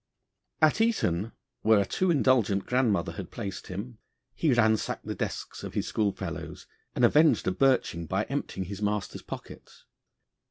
At Eton, where a too indulgent grandmother had placed him, he ransacked the desks of his school fellows, and avenged a birching by emptying his master's pockets.